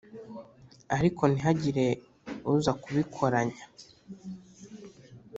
ariko ntihagire uza kubikoranya